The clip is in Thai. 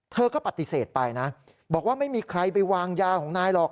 เธอก็ปฏิเสธไปนะบอกว่าไม่มีใครไปวางยาของนายหรอก